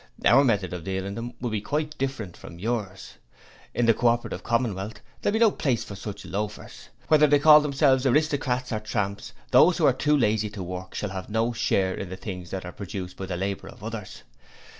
Our method of dealing with them would be quite different from yours. In the Co operative Commonwealth there will be no place for loafers; whether they call themselves aristocrats or tramps, those who are too lazy to work shall have no share in the things that are produced by the labour of others.